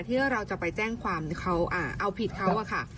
ที่เราจะไปแจ้งความเขาเอาผิดเขาอะค่ะ